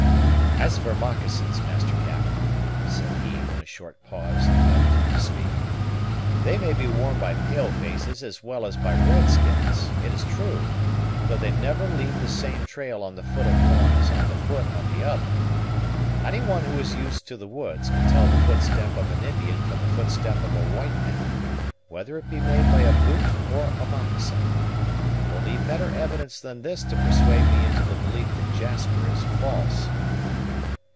"As for moccasins, Master Cap," said he, when a short pause invited him to speak, "they may be worn by pale faces as well as by red skins, it is true, though they never leave the same trail on the foot of one as on the foot of the other. Any one who is used to the woods can tell the footstep of an Indian from the footstep of a white man, whether it be made by a boot or a moccasin. It will need better evidence than this to persuade me into the belief that Jasper is false."